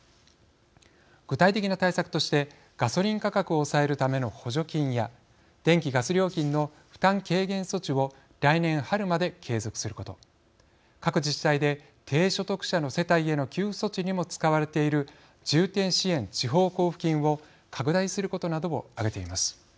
具体的な対策としてガソリン価格を抑えるための補助金や電気・ガス料金の負担軽減措置を来年春まで継続すること各自治体で低所得者の世帯への給付措置にも使われている重点支援地方交付金を拡大することなどを挙げています。